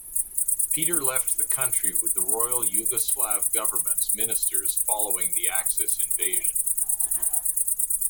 Peter left the country with the Royal Yugoslav Government's ministers following the Axis invasion.